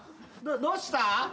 どうした？